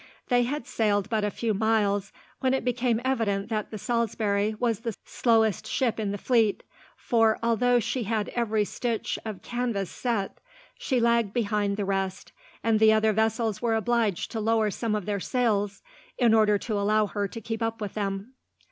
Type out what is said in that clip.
They had sailed but a few miles when it became evident that the Salisbury was the slowest ship in the fleet, for, although she had every stitch of canvas set, she lagged behind the rest, and the other vessels were obliged to lower some of their sails, in order to allow her to keep up with them.